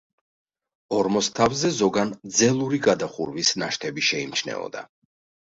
ორმოს თავზე ზოგან ძელური გადახურვის ნაშთები შეიმჩნეოდა.